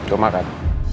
jadi gue makan